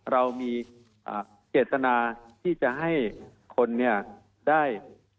เรามีเจตนาที่จะให้คนได้